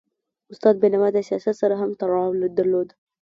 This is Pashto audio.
استاد بینوا د سیاست سره هم تړاو درلود.